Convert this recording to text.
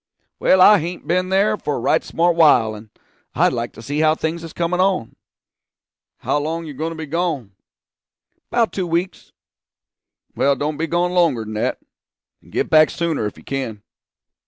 'Well, I hain't b'en there for a right smart while, and I'd like to see how things is comin' on.' 'How long are you going to be gone?' ''Bout two weeks.' 'Well don't be gone longer than that; and get back sooner if you can.'